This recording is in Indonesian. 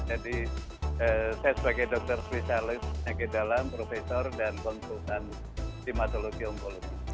jadi saya sebagai dokter swisalis penyakit dalam profesor dan konsultan simatologi onkologi